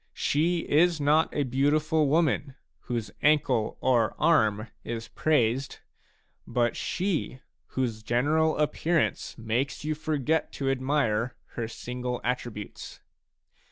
She is not a beautiful woman whose ankle or arm is praised, but she whose general appearance makes you forget to admire her single attributes.